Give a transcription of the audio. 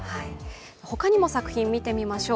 ほかにも作品見てみましょう。